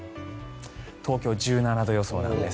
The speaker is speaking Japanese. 東京、１７度予想なんです。